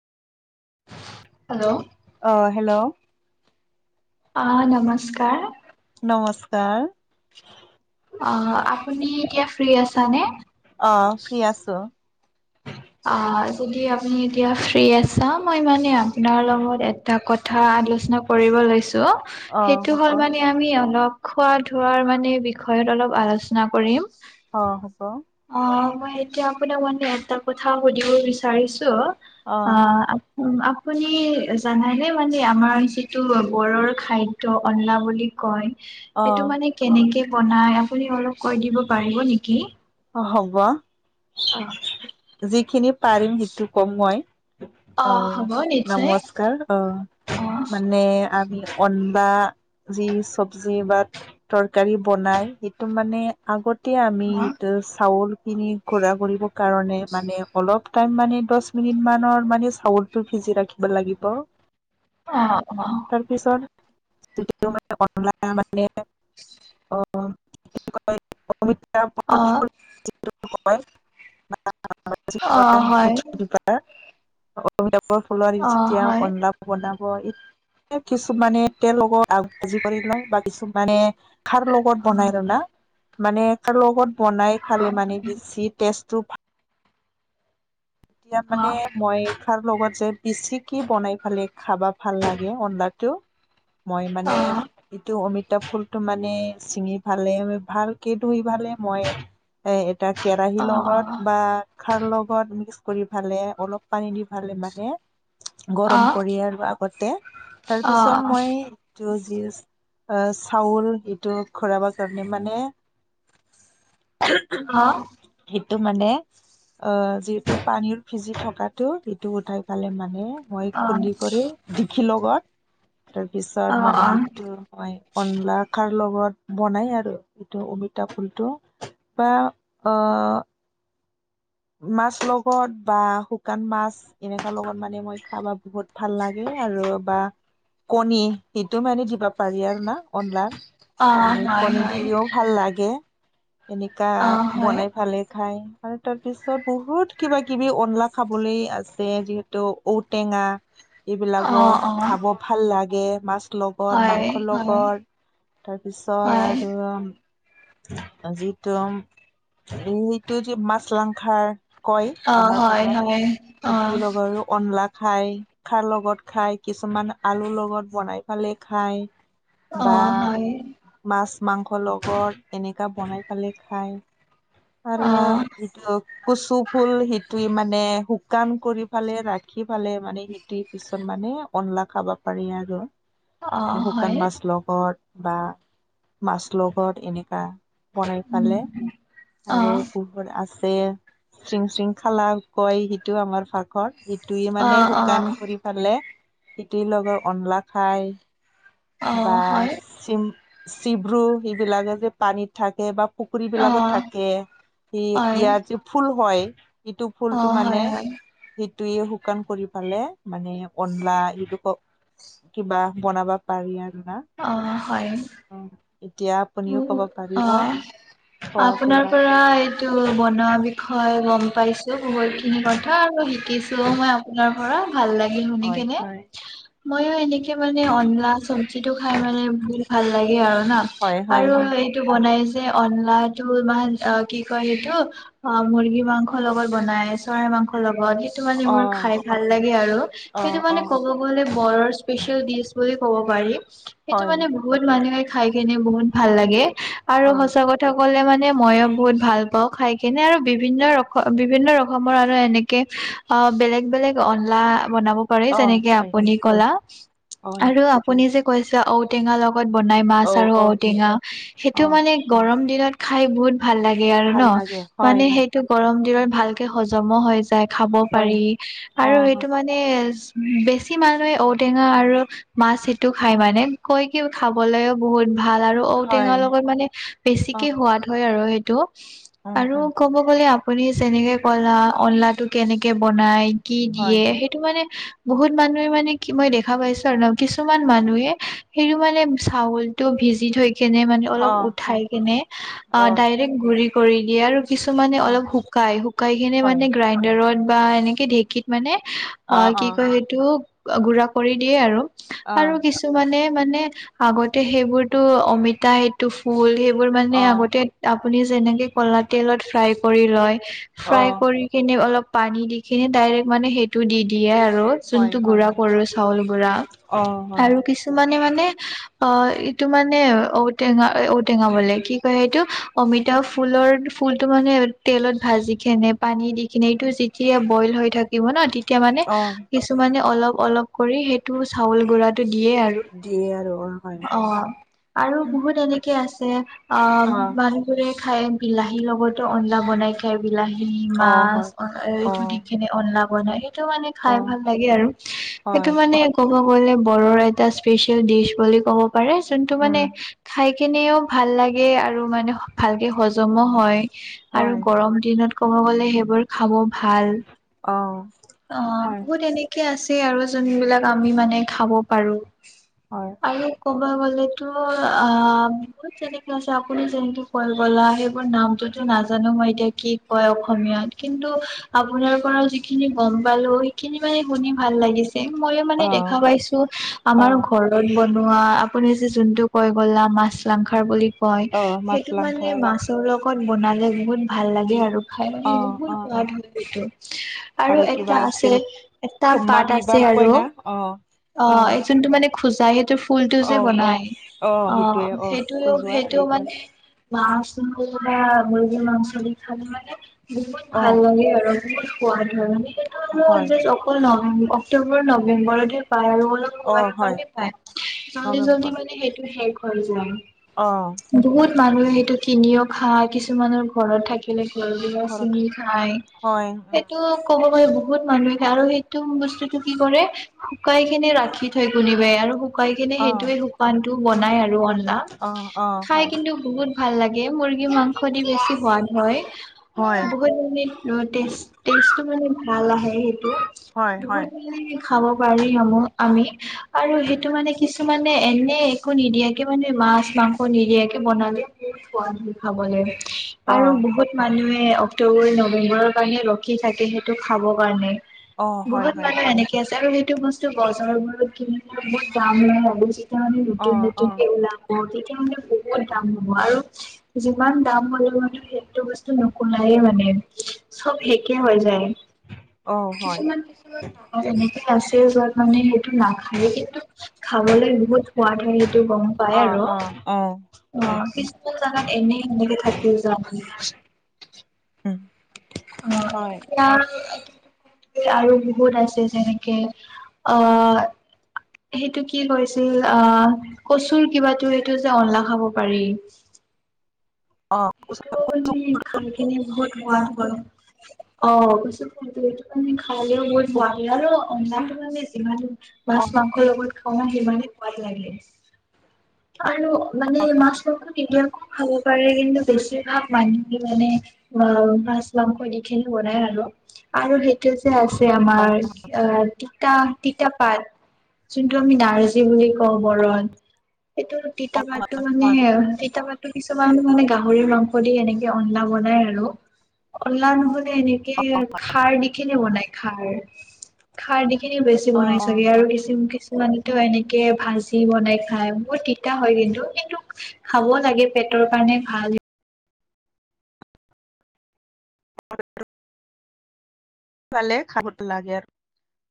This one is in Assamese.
হেল্ল'। অ হেল্ল'। অ নমস্কাৰ। নমস্কাৰ। অ', আপুনি এতিয়া ফ্ৰী আছ নে? অ ফ্ৰী আছোঁ। আ যদি আপুনি এতিয়া ফ্ৰী আছা মই মানে আপোনাৰ লগত এটা কথা আলোচনা কৰিব লৈছো অ সেইটো হ'ব হ'ল মানে আম আমি অলপ খোৱা-ধোৱাৰ মানে বিষয়ত অলপ আলোচনা কৰিম। অ হ'ব। অ মই এতিয়া আপোনাক মানে এটা কথা সুধিব বিচাৰিছো, অ' উ, আপুনি জানেনে আমৰ আমাৰ যিটো বৰৰ খাদ্য অলা বুলি কয় অ এইটো মানে কেনেকে বনাই, আপুনি অলপ কৈ দিব পাৰিব নেকি? অ হ'ব, যিখিনি পাৰিম সেইটো কম মই। অ হ'ব নিশ্চয় নমস্কাৰ, অ, অ মানে আমি অনবা, যি চব্জি বা তৰকাৰী বনাই, সেইটো মানে, আগতে আমি অ চাউলখিনি ঘূৰা কৰিব কাৰণে মানে অলপ টাইম মানে, দশ মিনিট মানৰ মানে, চাউল টো ভিজি ৰাখিব লাগিব। [unintelligible] পিছত অ অ অ হয় অ [unintelligible] হয় [unintelligible] [unintelligible] [unintelligible] বনাব, এ কিছুমানে তেল লগত আগ ভাজি কৰি লয় বা কিছুমানে খাৰৰ লগত অ বনাই আৰো না, হয় মানে খাৰৰ লগত বনাই অ খালে মানে বেছি টেষ্টটো ভ এতিয়া অ মানে মই খাৰ লগত যে পিচিকি বনাই ফালে খাবা ভাল লাগে অনলাটো। মই মানে, এইটো অমি তা ফুলটো মানে, চিঙি ফালে ভালে-ভালকে ধুই ফালে মই এ এটা কেৰাহি অ অ অ লগত বা খাৰ লগত কৰি ভালে অলপ পানী দি ভালে মানে অ অ অ গৰম কৰি আৰু আগতে, তাৰ পিছত মই টো যি, আহ চাউল এইটো খৰাবাৰ কাৰণে মানে অ অ সেইটো মানে, অ, যি পানীৰ ফিজি থকাটো সিটো উঠাই পালে মানে, মই খুন্দি কৰি [unintelligible] লগত, তাৰপিছত মানে অ এইটো মই অনলা খাৰ লগত বনাই আৰু। এইটো অমিতা ফুলটো, বা অ, মাছ লগত বা শুকান মাছ। এনেকা লগত মানে মই খাবা বহুত ভাল লাগে আৰু বা কণী, সেইটো মানে দিবা পাৰি আৰু না অনলাৰ? অ আৰু হয় কণী হয় দিলেও ভাল লাগে। এনেকা অ হয় বনাই ভালে খাই আৰু তাত পিছত বহুত কিবা কিবি অনলা খাবলে আছে যিহেতু ঔটেঙা অ এইবিলাকো, অ খাব ভাল লাগে মাছ লগত হয় মাংসৰ হয় লগত, তাৰপিছত হয় আৰু যিটো, [unintelligible] কয় অ আমাৰ হয় ভাষা, হয় অ ইটোৰ লগতো অনলা খায়। খাৰ লগত খাই কিছুমান আলুৰ লগত বনাই পালে খায়। অ বা, হয় মাছ মাংস লগত এনেকা বনাই পালে খায়। আৰু, অ এইটো কচু ফুল সিটোয়ে মানে শুকান কৰি ফালে ৰাখি ফালে মানে সি দি পিছত মানে অনলা খাবা পাৰি আৰু। অ শুকান হয় মাছ লগত বা মাছ লগত এনেকা বনাই খালে, অ আৰু পোহুৰ আছে। চিং চিং খালা কয় সেইটো আমাৰ পাখত সেইটোৱে অ মানে অ শুকান কৰি ফালে, [unintelligible] লগত অনলা খাই। অ বা হয় চিম, চিব্ৰু সেইবিলাকে যে পানীত থাকে বা পুখুৰী অ বিলাকত থাকে, হয় সেই ইয়াত যে ফুল হয়। ইটো অ ফুলটো হয় মানে হয় সেইটোৱে শুকান কৰি পালে মানে অনলা [unintelligible] কিবা বনাবা পাৰি আৰু না? অ', হয়, অ', এতিয়া আপুনিও উম, কব অ পাৰিব, খোৱা [unintelligible] টো বনোৱা বিষয়ে গম পাইছো বহুত খিনি কথা আৰু শিকিছোঁ মই আপোনাৰ মোৰো ভাল লাগিল শুনি হয় কিনে। হয় মইয়ো এনেকে মানে আনলা চব্জিটো খাই মানে বহুত ভাল লাগে আৰু না। হয় হয় হয় সেইটো বনাই যে, অনলাটো ইমান অ কি কয় সেইটো- অঁ মুৰ্গী মাংসৰ লগত বনাই চৰাই মাংস লগত- সেইটো মানে মোৰ হয় খাই ভাল লাগে আৰু অ', সেইটো মানে অ', ক'ব- লে বৰৰ স্পেচিয়েল ডিচ বুলি ক'ব পাৰি, সেইটো হয়, মানে বহুত মানুহে খাই কেনে বহুত- ভাল লাগে, আৰু হয়, সঁচা ক- কথা কলে মানে মইয়ো বহুত ভাল পাওঁ খাই কিনে আৰু বিভিন্ন ৰম বিভিন্ন ৰকমৰ আৰু এনেকে- অঁ বেলেগ বেলেগ অনলা বনাব- পাৰি অ', যেনেকে হয়, আপুনি কলা, হয়, আৰু আপুনি যে কৈছে ঔটেঙা লগত- লগত বনাই মাছ অ', আৰু অ', ঔটেঙা, সেইটো অ', মানে গৰম দিনত খাই বহুত ভাল লাগে। গে আৰু ন ভাল লাগে হয়, মানে, হয়, সেইটো- গৰম দিনত ভালকে হজমো হৈ যায় খাব হয়, পাৰি, আৰু অ', সেইটো মানে- নে বেছি মানুহে ঔটেঙা আৰু- মাছ, সেইটো খাই মানে কৈ কি খাবলৈও বহুত- ভাল আৰু ঔটেঙা হয়, লগত মানে বেছিকে অ', সোৱাদ হয় আৰু সেইটো। উম, উম, আৰু- ক'ব গ'লে আপুনি যেনেকে কলা অনলা টো কেনেকে বনাই, কি হয়, দিয়ে, সেই- সেইটো মানে বহুত মানুহে মানে কি মই দেখা পাইছো আৰু কিছুমান মানুহে সেইটো মানে চাউল- ভিজি থৈ কিনে মানে অলপ অ', উঠাই হয়, কেনে অ ডাইৰেক্ট গুৰি কৰি দিয়ে আৰু- কিছুমানে অ', অলপ শুকাই শুকাই কিনে হয়, মানে গ্ৰাইণ্ডাৰত বা এনেকে ঢেঁকীত মানে- অ', অঁ কি অ', কয় সেইটো গুৰা কৰি দিয়ে আৰু, আৰু অ', কিছু- মানে মানে আগতে সেইবোৰতো অমিতা সেইটো ফুল সেইবোৰ মানে অ', আগতে- আপুনি যেনেকে কলা তেলত ফ্ৰাই কৰি লয়, ফ্ৰাই অ', কৰি- সিনি অলপ পানী দি কিনি ডাইৰেক্ট মানে সেইটো দি দিয়ে আৰু। হয়, যোনটো হয়, গুড়া কৰো চাউল গুড়া, অ', হয়, আৰু কিছুমানে মানে- অঁ এইটো মানে ঔটেঙা ঔটেঙা বলে কি কয় এইটো, অমিতা ফুলৰ- ফুলটো মানে তেলত ভাজি খে, পানী দি কিনে এইটো যেতিয়া বইল হৈ থা- থাকিব ন' তেতিয়া মানে অ', কিছুমানে অলপ-অলপ কৰি সেইটো চাউল গুড়াটো দিয়ে আৰু। দিয়ে আৰু অঁ। অঁ আৰু বহুত এনেকে আছে। অঁ অ', ইমান- ৰে খাই, বিলাহীৰ লগতো আলা বনাই খা- সেই বিলাহী অ', মাছ হয়, এইটো দি অ', কিনে অনলা বনাই, সেইটো মানে- খাই অ', ভাল লাগে আৰু সেইটো হয়, মানে ক'ব গলে বড়োৰ এটা স্পেচিয়েল ডিচ বুলি ক'ব- পাৰে যোনটো মানে উম, খাই কেনেও ভাল লাগে আৰু মানে ভালকে হজমো হয়। আৰু হয়, গৰম দিনত ক'ব গলে সেইবোৰ- খাব ভাল, অ', অ হয়, বহুত এনে- আছে আৰু যোনবিলাক আমি মানে খাব পাৰো। হয়। আৰু ক'ব গ'লেতো অঁ বহুত যেনেকে আছে আপুনি যেনেকে কৈ গলা সেইবোৰ নামটো - টো নাজানো মই এতিয়া কি কয় অসমীয়াত, কিন্তু আপোনাৰ পৰা যিখিনি গম পালো- খিনি মানে শুনি ভাল লাগিছে, মইয়ো মানে দেখা অ', পাইছো। আমাৰ অ', ঘৰত বনো- ৱা, আপুনি যে যোনটো কই গলা মাছ লাংসাৰ বুলি কয়, অ', সেইটো মানে মাছলাংখাৰ মা- ছৰ লগত বনালে বহুত ভাল লাগে আৰু খাই। মানে বহুত সোৱাদ হয় সেইটো। আৰু এটা আছে, এটা পাত আছে আৰু অঁ যোনটো মানে- খোজাই সেইটো ফুলটো যে বনাই অঁ সেইটোৱে অ সেইটোও, খজোৱা আৰু সেইটো এতিয়া মানে- [unintelligible] খালে মানে বহুত অ ভাল লাগে আৰু। বহুত সোৱাদ হয়, হয় অকল যে নৱেম, অক্টোবৰ, নৱেম্বৰতহে পায় আৰু অলপ- অ হয় পায়, জল্দি জল্দি নৱেম্বৰ মানে সেইটো শেষ হৈ যায়। অঁ। বহুত মানুহে সেইটো কিনিও খায়। কিছুমানৰ ঘৰত থাকি- লে ঘৰৰ পৰা ঘৰত চিঙিও খায়, হয় উম সেইটো- ক'ব পাৰে বহুত মানুহে খায় আৰু সেইটো বস্তুটো কি কৰে শুকাই খিনে ৰাখি থয় কোনিবাই আৰু শুকাই কিনি অ সেইটোৱে শুকান টো বনাই আৰু অন অ অ [unintelligible] খাই হয় কিন্তু বহুত ভাল লাগে মুৰ্গী মাংস দি বেছি সোৱাদ হয় হয় বহুত [unintelligible] উম, টেষ্ট-টেষ্টটো মানে ভাল আহে সেইটো হয় হয় বহুত [unintelligible] খাব পাৰি আমো আমি আৰু সেই টো মানে কিছুমানে এনে একো নিদিয়াকে মানে মাছ মাংস নিদিয়াকে বনালে কি সোৱাদ হৈ খাবলে। অ আৰু বহুত মানুহে অক্টোবৰ, নৱেম্বৰৰ কাৰণে ৰখি থাকে সেইটো খাব কাৰণে। অ হয় বহুত হয় মানুহ এনেকে আছে আৰু সেইটো বস্তু বজাৰ বাৰত কিনব বহুত দাম লয় [unintelligible] যেতিয়া মানে অ অ নতুন-নতুনকে ওলাব তেতিয়া মানে বহুত দাম হ'ব আৰু যিমান দাম হলোঁ মানে সেইটো বস্তু নুকোলায়ে মানে। চব হেকে হৈ যায়। অ হয় কিছুমান- কিছুমান [unintelligible] এনেকে আছে য'ত মানে সেইটো নাখায়ে কিন্তু খাবলৈ বহুত সোৱাদ হয় সেইটো কম। পাই আৰ অ, কিছুমান জাগাত এনে- এনেকে থাকি যায় [unintelligible] উম, অ, হয় এতিয়া [unintelligible] আৰু বহুত আছে যেনেকে, অ সেইটো কি কৈছিল অ, কচুৰ কিবাতো এইটো যে অনলা খাব পাৰি অ অ সেইটো হয় [unintelligible] খাই কিনে বহুত সোৱাদ হয় অ, পিছত [unintelligible] এইটো কাৰনে খালেও বহুত সোৱাদ [unintelligible] আৰু অনলাটো মানে যিমান অ মাছ-মাংস ৰ লগত খাৱা সিমানে সোৱাদ লাগে। আৰু মানে মাছ, মাংস নিদিয়াকো খাব পাৰে কিন্তু বেছিভাগ মানুহে মানে অ, মাছ, মাংস দিখিনো বনাই আৰু। আৰু সেইটো যে আছে আমাৰ আহ তিতা- তিতা পাত যোনটো আমি নাৰ্জী বুলি কওঁ বৰণ সেইটোৰ তিতা পাত টো মানে তিতাপাততো কিছুমান মানে গাহৰিৰ মাংস দি এনেকে অনলা বনাই আৰু। অনলা নহ'লে এনেকে খাৰ দি কেনে বনাই খাৰ। খাৰ দিখিনি বেছি অ বনাই চাগে হয় আৰু দিচিম কিচ কিছুমানেতো এনেকে ভাজি বনাই খাই। বহুত তিতা হয় কিন্তু -কিন্তু খাব লাগে পেটৰ কাৰণে ভাল। [unintelligible] পালে খাবতো লাগে আৰ